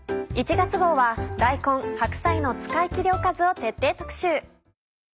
１月号は大根・白菜の使いきりおかずを徹底特集。